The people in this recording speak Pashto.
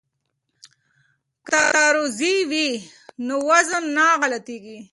که ترازوی وي نو وزن نه غلطیږي.